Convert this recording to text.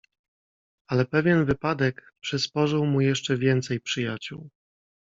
"Ale pewien wypadek przysporzył mu jeszcze więcej przyjaciół."